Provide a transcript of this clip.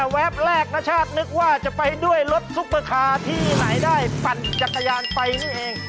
แป๊บแรกณชาตินึกว่าจะไปด้วยรถซุปเปอร์คาร์ที่ไหนได้ปั่นจักรยานไปนี่เอง